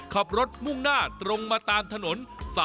ขับรถมุ่งหน้าตรงมาตามถนน